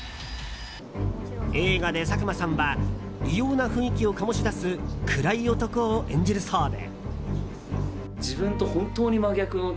映画で、佐久間さんは異様な雰囲気を醸し出す暗い男を演じるそうで。